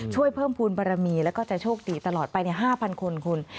ช่วยเพิ่มภูมิบารมีแล้วก็จะโชคดีตลอดไป๕๐๐คนคุณ